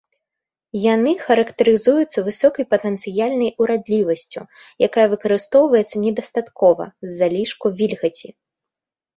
Яны характарызуюцца высокай патэнцыяльнай урадлівасцю, якая выкарыстоўваецца недастаткова з-за лішку вільгаці.